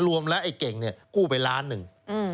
รวมแล้วไอ้เก่งเนี่ยกู้ไปล้านหนึ่ง